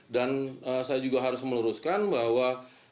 dan saya juga harus meluruskan bahwa